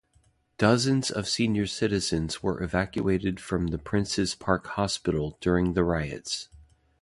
Dozens of senior citizens were evacuated from the Princes Park Hospital during the riots.